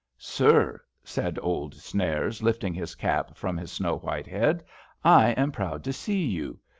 Sir," said old Snares, lifting his cap from his snow white head, *^I am proud to see you.